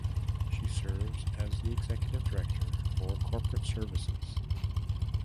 She serves as the executive director for corporate services.